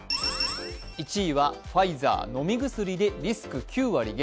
１位はファイザー、飲み薬でリスク９割減。